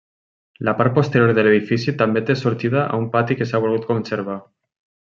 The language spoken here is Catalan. La part posterior de l'edifici també té sortida a un pati que s'ha volgut conservar.